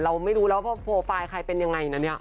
เราไม่รู้แล้วว่าโปรไฟล์ใครเป็นยังไงนะเนี่ย